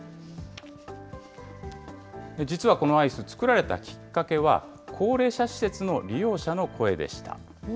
実はこのアイス、作られたきっかけは、高齢者施設の利用者の声でした。